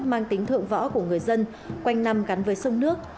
mang tính thượng võ của người dân quanh năm gắn với sông nước